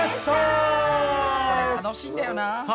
これ楽しいんだよな。